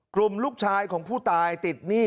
กลุ่มลูกชายของผู้ตายติดหนี้